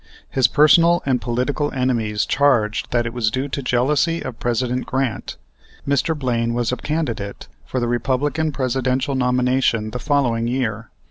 His personal and political enemies charged that it was due to jealousy of President Grant. Mr. Blaine was a candidate for the Republican Presidential nomination the following year.